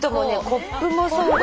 コップもそうだし。